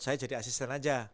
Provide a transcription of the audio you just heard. saya jadi asisten aja